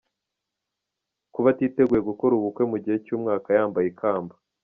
Kuba atiteguye gukora ubukwe mu gihe cy’umwaka yambaye ikamba.